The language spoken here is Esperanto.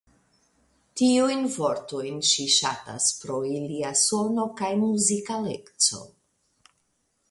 Tiujn vortojn ŝi ŝatas pro ilia sono kaj muzikaleco.